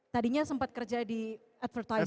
tadinya sempat kerja di advertis